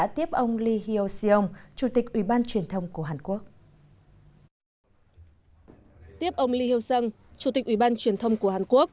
tiếp ông lee hyo seong chủ tịch ủy ban truyền thông của hàn quốc